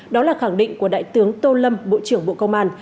đó là khẳng định của đại tướng tô lâm bộ trưởng bộ công an